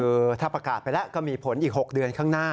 คือถ้าประกาศไปแล้วก็มีผลอีก๖เดือนข้างหน้า